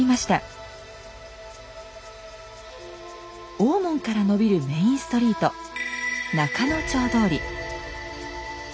大門から延びるメインストリート仲之町通り。